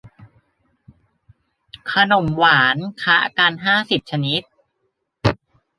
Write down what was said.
ขนมหวานคละกันห้าสิบชนิด